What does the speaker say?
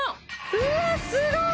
うわすごい！